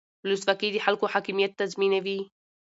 ولسواکي د خلکو حاکمیت تضمینوي